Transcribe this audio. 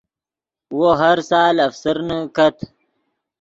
وو ہر سال افسرنے کت